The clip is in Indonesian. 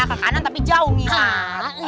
ke kanan tapi jauh misalnya